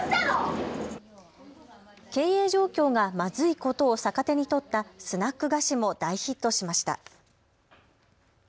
経営状況がまずいことを逆手に取ったスナック菓子も大ヒットしました。